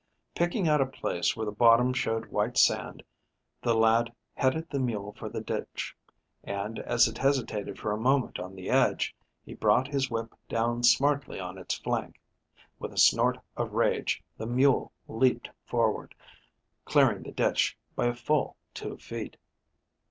Picking out a place where the bottom showed white sand, the lad headed the mule for the ditch, and, as it hesitated for a moment on the edge, he brought his whip down smartly on its flank. With a snort of rage the mule leaped forward, clearing the ditch by a full two feet.